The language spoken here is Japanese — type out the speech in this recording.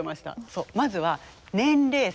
そうまずは年齢差。